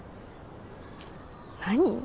何？